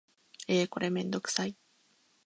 えーこれめんどくさい